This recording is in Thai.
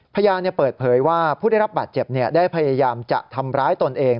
พยานเปิดเผยว่าผู้ได้รับบาดเจ็บได้พยายามจะทำร้ายตนเอง